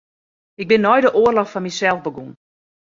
Ik bin nei de oarloch foar mysels begûn.